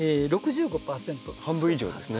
半分以上ですね。